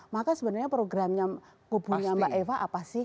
maka sebenarnya programnya kubunya mbak eva apa sih